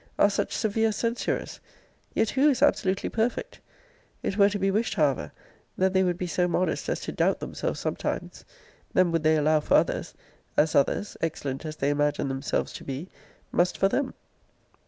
Are such severe censurers! Yet who is absolutely perfect? It were to be wished, however, that they would be so modest as to doubt themselves sometimes: then would they allow for others, as others (excellent as they imagine themselves to be) must for them.